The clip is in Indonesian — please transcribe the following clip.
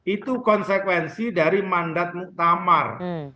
itu konsekuensi dari mandat muktamar